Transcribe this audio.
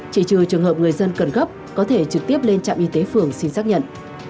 chỉ trừ trường hợp người dân cần gấp có thể trực tiếp lên trạm y tế phường xin xác nhận